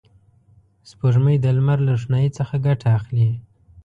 سپوږمۍ د لمر له روښنایي څخه ګټه اخلي